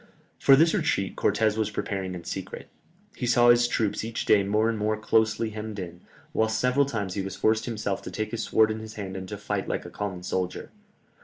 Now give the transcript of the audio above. For this retreat Cortès was preparing in secret. He saw his troops each day more and more closely hemmed in, whilst several times he was forced himself to take his sword in his hand and to fight like a common soldier.